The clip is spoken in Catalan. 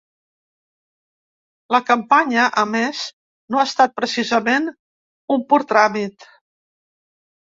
La campanya, a més, no ha estat precisament un pur tràmit.